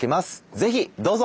是非どうぞ。